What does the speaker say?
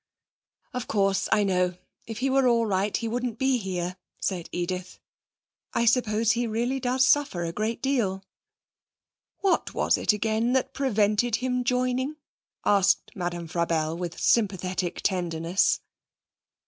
'Of course, I know; if he were all right he wouldn't be here,' said Edith.' I suppose he really does suffer a great deal.' 'What was it again that prevented him joining?' asked Madame Frabelle, with sympathetic tenderness.